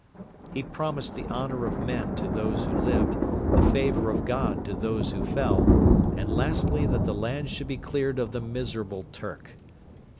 He promised the honour of men to those who lived, the favour of God to those who fell, and lastly that the land should be cleared of the miserable 'Turk.'